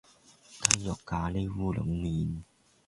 雞肉咖哩烏龍麵